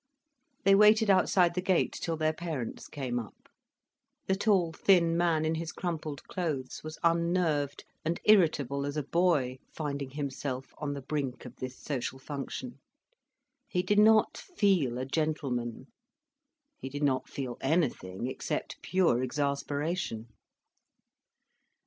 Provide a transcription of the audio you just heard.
They waited outside the gate till their parents came up. The tall, thin man in his crumpled clothes was unnerved and irritable as a boy, finding himself on the brink of this social function. He did not feel a gentleman, he did not feel anything except pure exasperation.